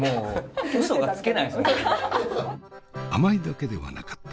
甘いだけではなかった。